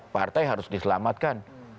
partai harus diselamatkan